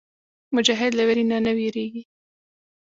مجاهد له ویرې نه وېرېږي.